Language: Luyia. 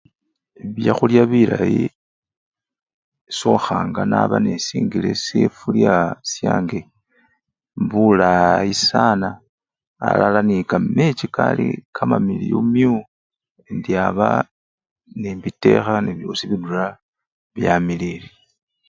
Byakhullya bilayi esokhanga naba nesingile sifurya syange bulayi sana alala nekamechi kali kamamiliyu miu, indiaba nembitekha nebyosi birura byamiliyile.